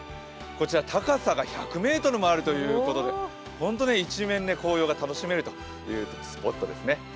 こちら高さが１００ｍもあるということで、一面、紅葉が楽しめるというスポットですね。